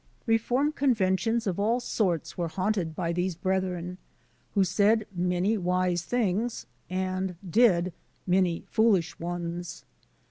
Reform conventions of all sorts were haimted by these brethren, who said many wise things and did many foolish ones.